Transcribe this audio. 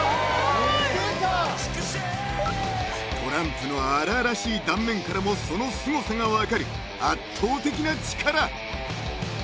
［トランプの荒々しい断面からもそのすごさが分かる圧倒的な力！］